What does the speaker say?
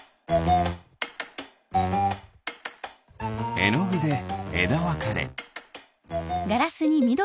えのぐでえだわかれ。